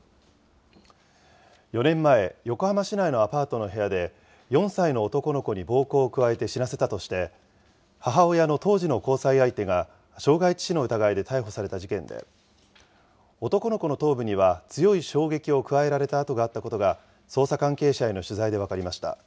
４年前、横浜市内のアパートの部屋で、４歳の男の子に暴行を加えて死なせたとして、母親の当時の交際相手が傷害致死の疑いで逮捕された事件で、男の子の頭部には強い衝撃を加えられた痕があったことが、捜査関係者への取材で分かりました。